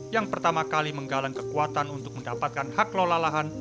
yang pertama kali menggalang kekuatan untuk mendapatkan hak lola lahan